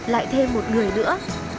lại thêm một người nữa